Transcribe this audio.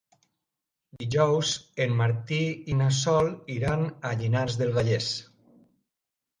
Dijous en Martí i na Sol iran a Llinars del Vallès.